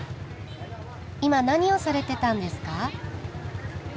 今何をされてたんですか？